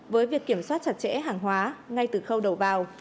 với việc kiểm soát chặt chẽ hàng hóa ngay từ khâu đầu vào